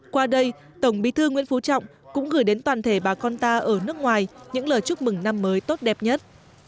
qua đây tổng bí thư nguyễn phú trọng cũng gửi đến toàn thể bà con ta ở nước ngoài những lời chúc mừng năm mới tốt đẹp nhất